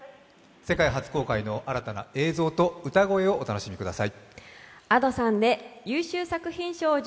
世界初公開の新たな映像と歌声をお楽しみください。